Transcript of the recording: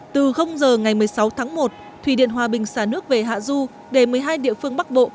từ giờ ngày một mươi sáu tháng một thủy điện hòa bình xả nước về hạ du để một mươi hai địa phương bắc bộ